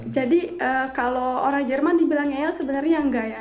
jadi kalau orang jerman dibilang ngeyel sebenarnya enggak ya